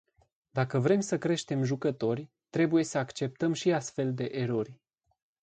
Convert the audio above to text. Dacă vrem să creștem jucători, trebuie să acceptăm și astfel de erori.